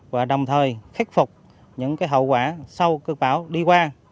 và đồng thời khắc phục những hậu quả sau cơn bão đi qua